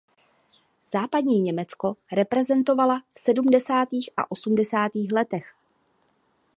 Západní Německo reprezentovala v sedmdesátých a osmdesátých letech.